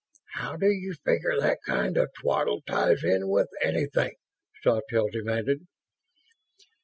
"How do you figure that kind of twaddle ties in with anything?" Sawtelle demanded.